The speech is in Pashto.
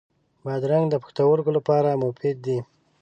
بادرنګ د پښتورګو لپاره مفید دی.